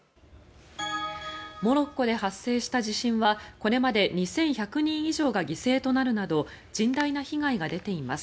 モロッコで発生した地震はこれまで２１００人以上が犠牲となるなど甚大な被害が出ています。